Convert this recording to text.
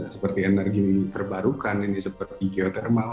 seperti energi terbarukan seperti geotermal